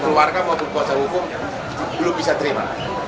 keluarga maupun kuasa hukum belum bisa terima